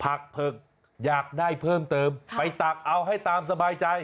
เผือกอยากได้เพิ่มเติมไปตักเอาให้ตามสบายใจ